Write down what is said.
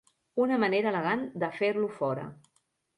Una manera elegant de fer-lo fora.